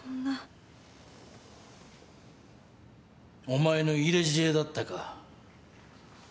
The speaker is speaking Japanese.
お前の入れ知恵だったか。